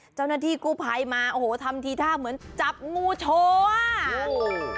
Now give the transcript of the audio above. เจ้าหน้าที่กู้ภัยมาโอ้โหทำทีท่าเหมือนจับงูโชว์อ่ะโอ้โห